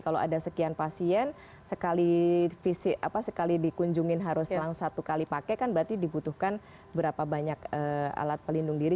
kalau ada sekian pasien sekali dikunjungin harus selang satu kali pakai kan berarti dibutuhkan berapa banyak alat pelindung diri